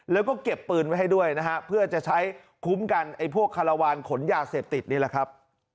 แล้วก็เก็บปืนไว้ให้ด้วยนะฮะเพื่อจะใช้คุ้มกันไอ้พวกคาราวานขนยาเสพติดนี่แหละครับ